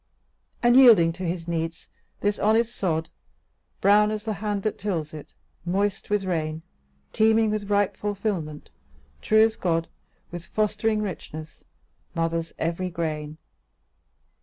And yielding to his needs, this honest sod, Brown as the hand that tills it, moist with rain, Teeming with ripe fulfilment, true as God, With fostering richness, mothers every grain.